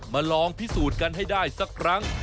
ลองพิสูจน์กันให้ได้สักครั้ง